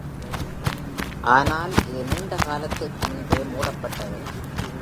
ஆனால், இது நீண்ட காலத்திற்கு முன்பே மூடப்பட்டது.